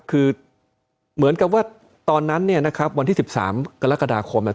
คือเหมือนกับว่าตอนนั้นเนี่ยนะครับวันที่สิบสามกรกฎาคมอ่ะ